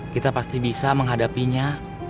kita pasti bisa menghadapinya